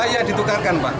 iya ditukarkan pak